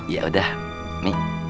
ya udah mi